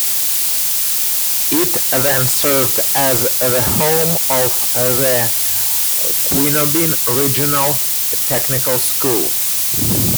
It then served as the home of the Quinobin Regional Technical School.